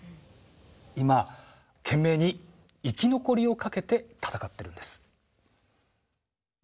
今懸命に生き残りをかけて闘ってるんです。